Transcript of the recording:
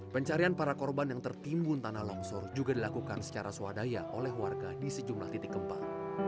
pencarian para korban yang tertimbun tanah longsor juga dilakukan secara swadaya oleh warga di sejumlah titik gempa